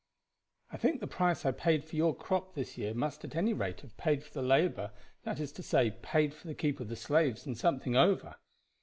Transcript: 'I think the price I paid for your crop this year must at any rate have paid for the labor that is to say, paid for the keep of the slaves and something over.'